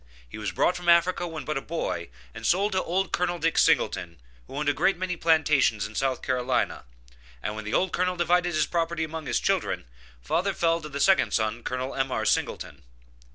He was brought from Africa when but a boy, and sold to old Colonel Dick Singleton, who owned a great many plantations in South Carolina, and when the old colonel divided his property among his children, father fell to the second son, Col. M.R. Singleton.